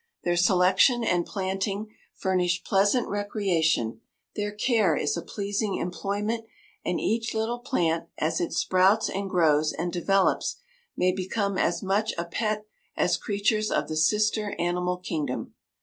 Their selection and planting furnish pleasant recreation; their care is a pleasing employment; and each little plant, as it sprouts and grows and develops, may become as much a pet as creatures of the sister animal kingdom.